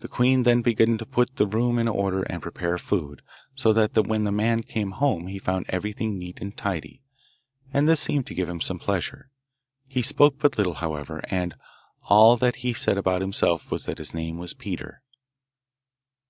The queen then began to put the room in order and prepare food, so that when the man came home he found everything neat and tidy, and this seemed to give him some pleasure. He spoke but little, however, and all that he said about himself was that his name was Peter.